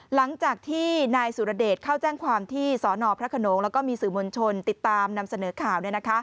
หลังจากที่นายสุรเดชเข้าแจ้งความที่สนพระขนงแล้วก็มีสื่อมวลชนติดตามนำเสนอข่าว